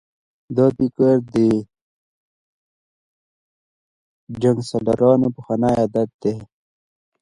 دا فکر د جنګسالارانو پخوانی عادت دی.